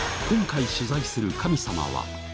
今回取材する神様は。